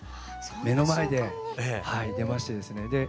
目の前で出ましてですね。